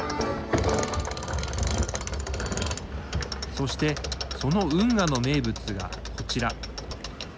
そして、その運河の名物がこちら。